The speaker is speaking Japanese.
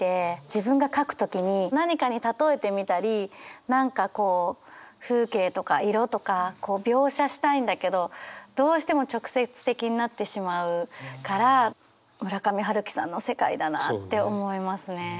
自分が書く時に何かに例えてみたり何かこう風景とか色とか描写したいんだけどどうしても直接的になってしまうから村上春樹さんの世界だなって思いますね。